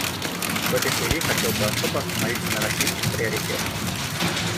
В этой связи хотел бы особо остановиться на российских приоритетах.